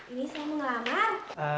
ini saya mau ngelamar